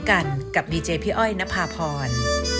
กันกับดีเจพี่อ้อยนภาพร